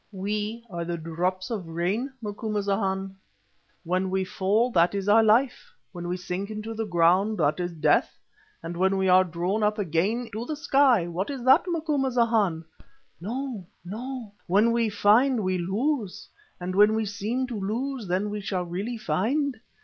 We are the drops of rain, Macumazahn. When we fall that is our life. When we sink into the ground that is death, and when we are drawn up again to the sky, what is that, Macumazahn? No! no! when we find we lose, and when we seem to lose, then we shall really find.